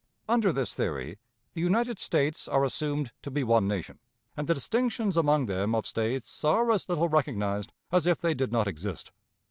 Under this theory the United States are assumed to be one nation, and the distinctions among them of States are as little recognized as if they did not exist.